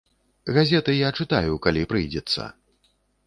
Газеты я чытаю, калі прыйдзецца!